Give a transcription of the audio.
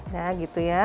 nah gitu ya